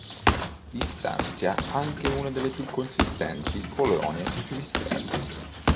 Vi stanzia anche una delle più consistenti colonie di pipistrelli.